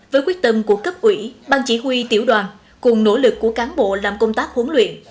với quyết tâm của cấp ủy bang chỉ huy tiểu đoàn cùng nỗ lực của cán bộ làm công tác huấn luyện